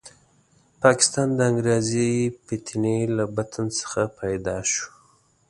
پاکستان د انګریزي فتنې له بطن څخه پیدا شو.